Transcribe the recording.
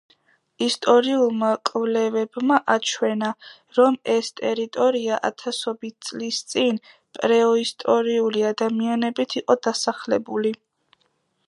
ისტორიულმა კვლევებმა აჩვენა, რომ ეს ტერიტორია ათასობით წლის წინ, პრეისტორიული ადამიანებით იყო დასახლებული.